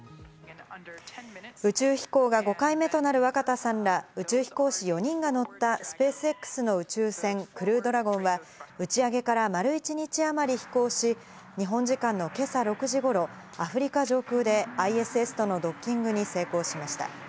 宇宙飛行が５回目となる若田さんら宇宙飛行士４人が乗ったスペースＸの宇宙船・クルードラゴンは打ち上げから丸一日あまり飛行し、日本時間の今朝６時頃、アフリカ上空でＩＳＳとのドッキングに成功しました。